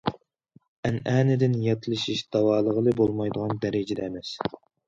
ئەنئەنىدىن ياتلىشىش داۋالىغىلى بولمايدىغان دەرىجىدە ئەمەس.